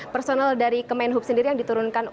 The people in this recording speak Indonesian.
personal dari kemenhub sendiri yang diturunkan